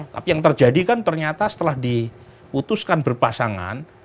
tapi yang terjadi kan ternyata setelah di putuskan berpasangan